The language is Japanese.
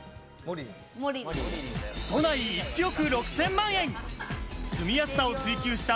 都内１億６０００万円、住みやすさを追求した